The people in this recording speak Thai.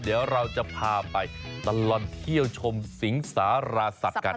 เดี๋ยวเราจะพาไปตลอดเที่ยวชมสิงสารสัตว์กัน